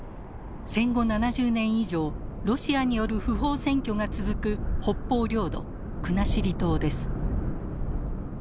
戦後７０年以上ロシアによる不法占拠が続く北方領土国後島です。